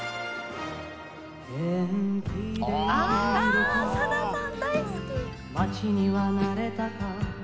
あさださん大好き。